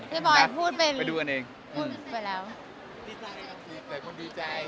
ดีใจครับที่เกิดคนดีใจ